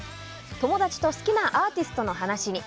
友達と好きなアーティストの話に。